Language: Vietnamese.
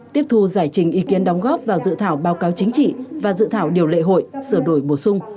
tiếp thu giải trình ý kiến đóng góp vào dự thảo báo cáo chính trị và dự thảo điều lệ hội sửa đổi bổ sung